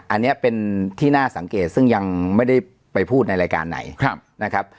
อันนี้เป็นที่น่าสังเกตซึ่งยังไม่ได้ไปพูดในรายการไหนนะครับ